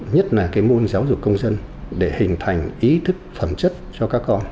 nhất là cái môn giáo dục công dân để hình thành ý thức phẩm chất cho các con